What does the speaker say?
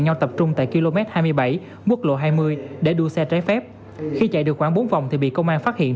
nhau tập trung tại km hai mươi bảy quốc lộ hai mươi để đua xe trái phép khi chạy được khoảng bốn vòng thì bị công an phát hiện